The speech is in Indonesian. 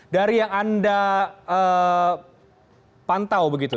dari yang anda pantau begitu